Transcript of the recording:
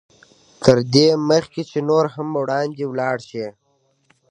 تر دې مخکې چې نور هم وړاندې ولاړ شئ.